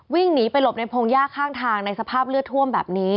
วิ่งหนีไปหลบในพงหญ้าข้างทางในสภาพเลือดท่วมแบบนี้